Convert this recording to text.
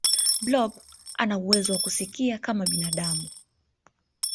blob anauwezo wa kusikia kama binadamu